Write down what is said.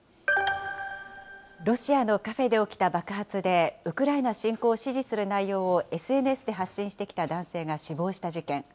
ロシアのカフェで起きた爆発でウクライナ侵攻を支持する内容をＳＮＳで発信してきた男性が死亡した事件。